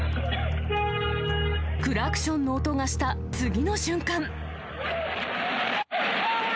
クラクションの音がした次の瞬間。